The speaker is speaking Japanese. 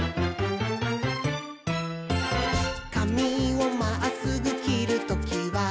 「かみをまっすぐきるときは」